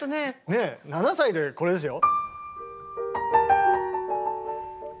ねえ７歳でこれですよ。